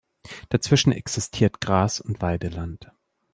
Dazwischen existiert Gras- und Weideland.